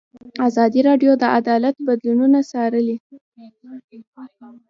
ازادي راډیو د عدالت بدلونونه څارلي.